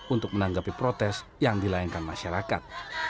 untuk menanggapi protes yang dilayangkan masyarakat